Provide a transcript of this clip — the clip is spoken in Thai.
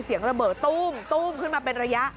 เสียงระเบิดตู้มขึ้นมาเป็นระยะ